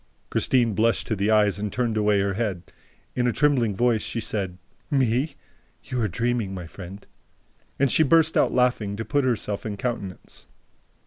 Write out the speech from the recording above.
Christine blushed to the eyes and turned away her head. In a trembling voice, she said: "Me? You are dreaming, my friend!" And she burst out laughing, to put herself in countenance.